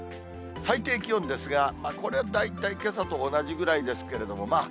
最低気温ですが、これ、大体けさと同じぐらいですけれども、まあ